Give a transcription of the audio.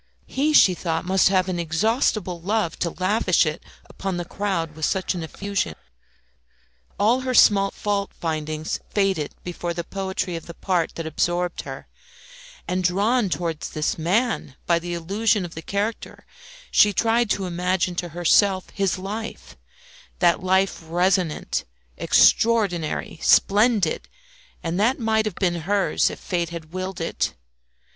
He, she thought must have an inexhaustible love to lavish it upon the crowd with such effusion. All her small fault findings faded before the poetry of the part that absorbed her; and, drawn towards this man by the illusion of the character, she tried to imagine to herself his life that life resonant, extraordinary, splendid, and that might have been hers if fate had willed it.